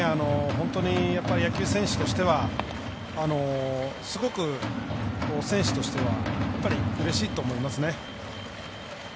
本当に野球選手としてはすごく選手としてはうれしいと思いますね。